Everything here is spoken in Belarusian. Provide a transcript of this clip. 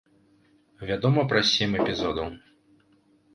Вядома пра сем эпізодаў.